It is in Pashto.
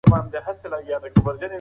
وخت ولې نه تېرېږي؟